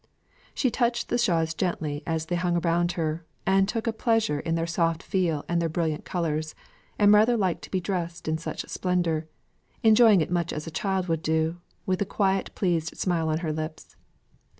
She touched the shawls gently as they hung around her, and took a pleasure in their soft feel and their brilliant colours, and rather liked to be dressed in such splendour enjoying it much as a child would do, with a quiet pleased smile on her lips.